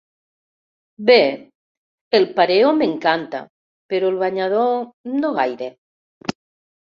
Bé, el pareo m'encanta, però el banyador no gaire.